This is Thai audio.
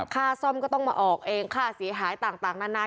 ค่าซ่อมก็ต้องมาออกเองค่าเสียหายต่างนาน